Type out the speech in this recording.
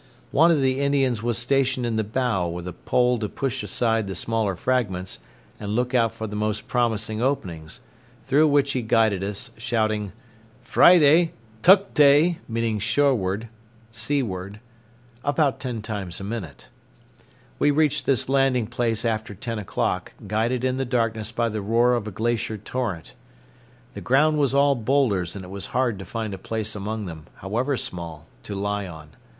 One of the Indians was stationed in the bow with a pole to push aside the smaller fragments and look out for the most promising openings, through which he guided us, shouting, "Friday! Tucktay!" (shoreward, seaward) about ten times a minute. We reached this landing place after ten o'clock, guided in the darkness by the roar of a glacier torrent. The ground was all boulders and it was hard to find a place among them, however small, to lie on.